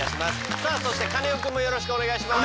さあそしてカネオくんもよろしくお願いします。